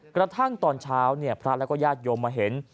กระทั่งตอนเช้าพระแล้วก็ญาติโยมมาเห็น